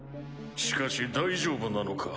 しかし大丈夫なのか？